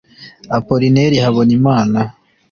Apollinaire Habonimana